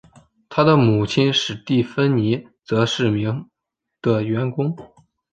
他的母亲史蒂芬妮则是名的员工。